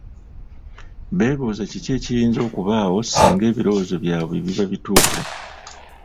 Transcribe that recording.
Beebuuza ki ekiyinza okubaawo singa ebirowoozo byabwe biba bituufu.